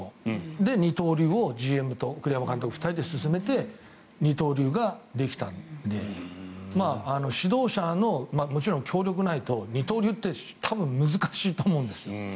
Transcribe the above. で、二刀流をＧＭと栗山監督の２人で勧めて二刀流ができたので指導者のもちろん協力がないと二刀流って多分、難しいと思うんです。